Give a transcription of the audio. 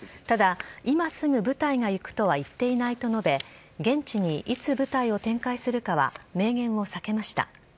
ただ、今すぐ部隊が行くとは言っていないと述べ、現地にいつ部隊を展開するかは、明言を避けました。